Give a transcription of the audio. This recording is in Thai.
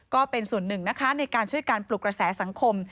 ก็เป็นส่วนหนึ่งนะคะในการช่วยการปลุกกระแสสังคม